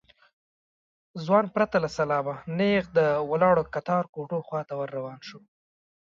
ځوان پرته له سلامه نېغ د ولاړو کتار کوټو خواته ور روان شو.